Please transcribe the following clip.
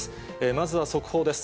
まずは速報です。